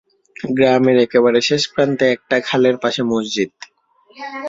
গ্রামের একেবারে শেষপ্রান্তে একটা খালের পাশে মসজিদ।